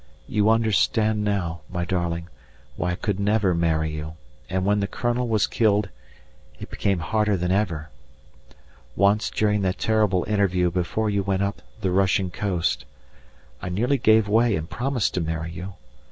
You understand now, my darling, why I could never marry you, and when the Colonel was killed it became harder than ever. Once during that terrible interview before you went up the Russian coast, I nearly gave way and promised to marry you.